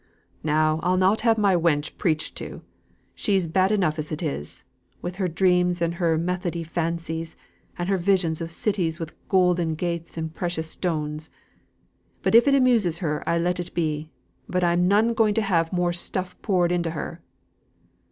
"Now, I'll not have my wench preached to. She's bad enough, as it is, with her dreams and her methodee fancies, and her visions of cities with goulden gates and precious stones. But if it amuses her I let it abe, but I'm none going to have more stuff poured into her."